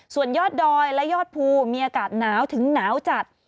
ส่วนยอดดอยและยอดภูมีอากาศหนาวถึงหนาวจัด